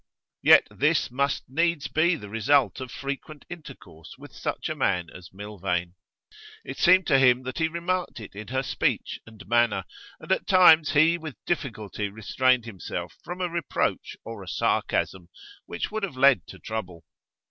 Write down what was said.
Yet this must needs be the result of frequent intercourse with such a man as Milvain. It seemed to him that he remarked it in her speech and manner, and at times he with difficulty restrained himself from a reproach or a sarcasm which would have led to trouble.